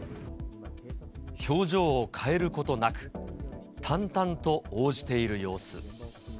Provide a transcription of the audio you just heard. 表情を変えることなく、淡々と応じている様子。